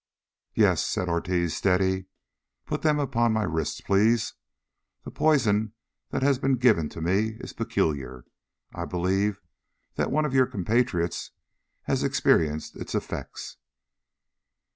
"Yes," said Ortiz steadily. "Put them upon my wrists, please. The poison that has been given to me is peculiar. I believe that one of your compatriots has experienced its effects."